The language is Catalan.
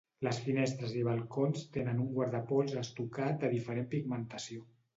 Les finestres i balcons tenen un guardapols estucat de diferent pigmentació.